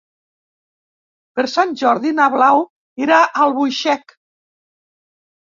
Per Sant Jordi na Blau irà a Albuixec.